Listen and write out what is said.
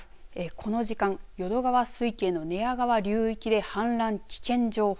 この時間、淀川水系の寝屋川流域で氾濫危険情報。